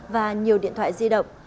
và nhiều điện thoại di động